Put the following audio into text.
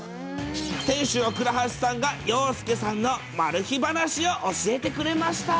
店主の倉橋さんが洋介さんのマル秘話を教えてくれました。